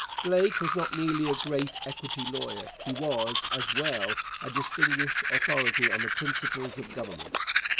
Blake was not merely a great equity lawyer; he was, as well, a distinguished authority on the principles of government.